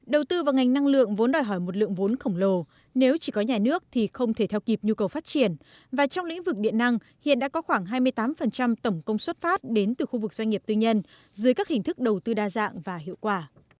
đầu tư vào ngành năng lượng vốn đòi hỏi một lượng vốn khổng lồ nếu chỉ có nhà nước thì không thể theo kịp nhu cầu phát triển và trong lĩnh vực điện năng hiện đã có khoảng hai mươi tám tổng công xuất phát đến từ khu vực doanh nghiệp tư nhân dưới các hình thức đầu tư đa dạng và hiệu quả